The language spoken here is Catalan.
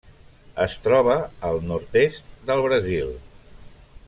Es troba al nord-est del Brasil.